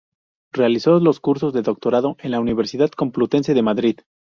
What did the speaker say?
Realizó los cursos de Doctorado en la Universidad Complutense de Madrid.